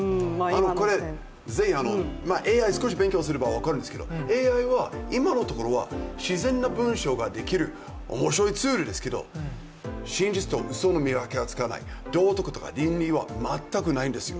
これ、ぜひＡＩ少し勉強すれば分かるんですけれども、ＡＩは今のところは自然な文章ができる面白いツールですけど真実とうその見分けがつかない道徳とか倫理は全くないんですよ。